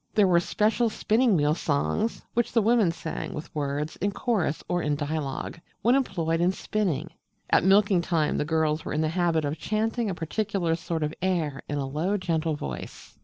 There were special spinning wheel songs, which the women sang, with words, in chorus or in dialogue, when employed in spinning. At milking time the girls were in the habit of chanting a particular sort of air, in a low gentle voice.